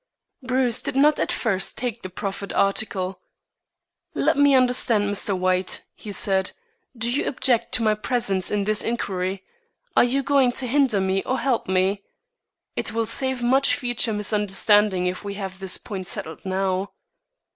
Bruce did not at first take the proffered article. "Let me understand, Mr. White," he said. "Do you object to my presence in this inquiry? Are you going to hinder me or help me? It will save much future misunderstanding if we have this point settled now."